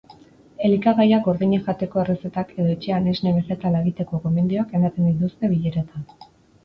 Elikagaiak gordinik jateko errezetak edo etxean esne begetala egiteko gomendioak ematen dituzte bileretan.